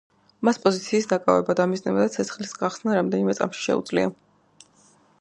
მას პოზიციის დაკავება, დამიზნება და ცეცხლის გახსნა რამდენიმე წამში შეუძლია.